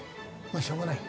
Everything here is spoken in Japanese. まあしょうがない。